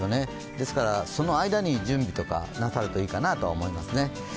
ですから、その間に準備とかなさるといいかなと思いますね。